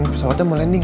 pesawatnya mau landing